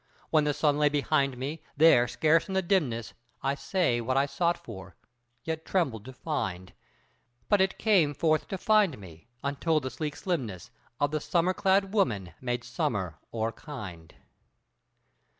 When the sun lay behind me, there scarce in the dimness I say what I sought for, yet trembled to find; But it came forth to find me, until the sleek slimness Of the summer clad woman made summer o'er kind.